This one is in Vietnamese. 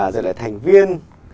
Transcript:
rồi lại thành viên